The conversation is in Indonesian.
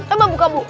eh mbak buka bu